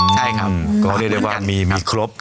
ใช่ครับ